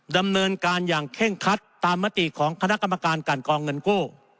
ดำเนินการอย่างเคร่งคัดตามมติของคณะกรรมการกันกองเงินกู้